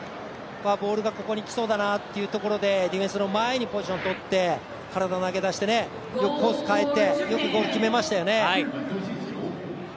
ボールがここにきそうだなってところでディフェンスの前にポジションを取って体を投げ出してよくコースを変えてよくゴール決めましたよね。